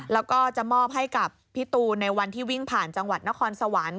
แล้วก็จะมอบให้กับพี่ตูนในวันที่วิ่งผ่านจังหวัดนครสวรรค์